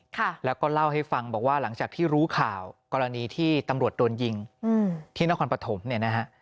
ค่ะแล้วก็เล่าให้ฟังบอกว่าหลังจากที่รู้ข่าวกรณีที่ตำรวจโดนยิงอืมที่นครปฐมเนี่ยนะฮะ